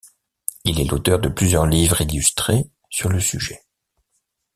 Il est l'auteur de plusieurs livres illustrés sur le sujet.